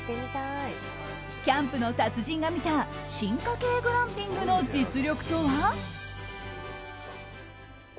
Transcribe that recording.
キャンプの達人が見た進化形グランピングの実力とは？